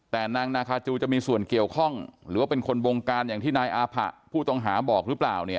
แต่นางนาคาจูจะมีส่วนเกี่ยวข้องหรือว่าเป็นคนบงการอย่างที่นายอาผะผู้ต้องหาบอกหรือเปล่าเนี่ย